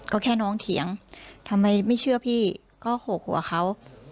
ก็แค่น้องเถียงทำไมไม่เชื่อพี่ก็โหกหัวเขา